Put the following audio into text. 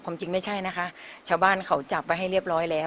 จริงไม่ใช่นะคะชาวบ้านเขาจับไว้ให้เรียบร้อยแล้ว